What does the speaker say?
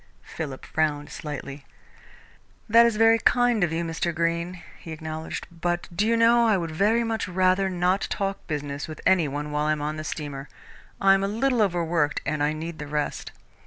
Philip frowned slightly. "That is very kind of you, Mr. Greene," he acknowledged, "but do you know I would very much rather not talk business with any one while I am on the steamer? I am a little overworked and I need the rest."